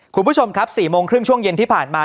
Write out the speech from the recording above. คุณผู้ชมครับ๔โมงครึ่งช่วงเย็นที่ผ่านมา